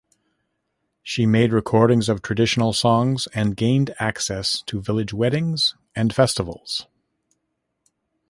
She made recordings of traditional songs and gained access to village weddings and festivals.